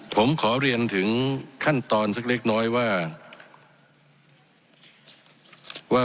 ผมขอเรียนถึงขั้นตอนสักเล็กน้อยว่า